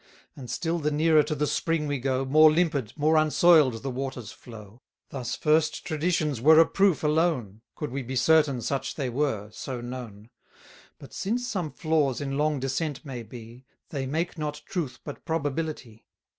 And still the nearer to the spring we go, 340 More limpid, more unsoil'd, the waters flow. Thus first traditions were a proof alone, Could we be certain such they were, so known: But since some flaws in long descent may be, They make not truth but probability.